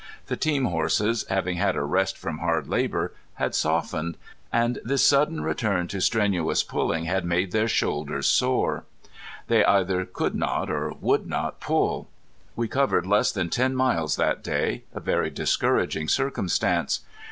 The team horses, having had a rest from hard labor, had softened, and this sudden return to strenuous pulling had made their shoulders sore. They either could not or would not pull. We covered less than ten miles that day, a very discouraging circumstance.